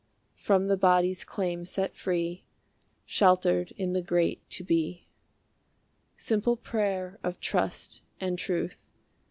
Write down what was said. (From the body's claim set free Sheltered in the Great to be.) Simple prayer of trust and truth.